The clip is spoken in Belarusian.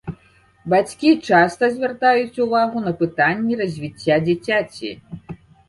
Бацькі часта звяртаюць увагу на пытанні развіцця дзіцяці.